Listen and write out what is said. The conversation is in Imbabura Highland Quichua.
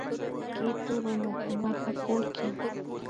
Kitu runakunapa kullki